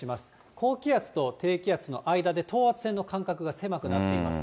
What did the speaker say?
高気圧と低気圧の間で等圧線の間隔が狭くなっています。